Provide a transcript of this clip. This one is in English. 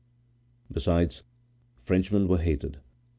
Besides, Frenchmen were hated.